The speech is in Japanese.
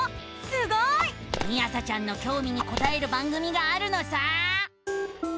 みあさちゃんのきょうみにこたえる番組があるのさ！